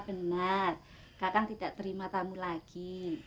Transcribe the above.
benar kadang tidak terima tamu lagi